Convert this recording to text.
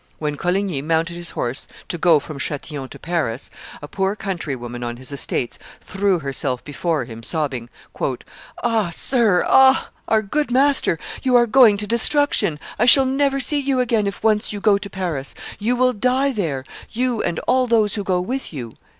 When Coligny mounted his horse to go from Chatillon to Paris, a poor countrywoman on his estates threw herself before him, sobbing, "Ah! sir, ah! our good master, you are going to destruction; I shall never see you again if once you go to Paris; you will die there, you and all those who go with you."